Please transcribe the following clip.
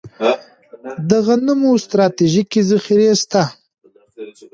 د غنمو ستراتیژیکې ذخیرې شته